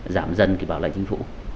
giảm dần cái bảo lệnh chính phủ